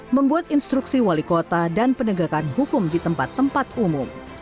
membuat instruksi wali kota dan penegakan hukum di tempat tempat umum